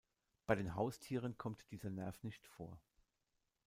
Bei den Haustieren kommt dieser Nerv nicht vor.